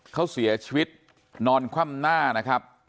เขาเสียชีวิตนอนคว่ำหน้านะครับ